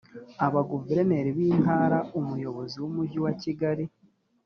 abaguverineri b intara umuyobozi w umujyi wa kigali